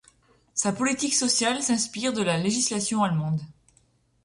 Sa politique sociale s’inspire de la législation allemande.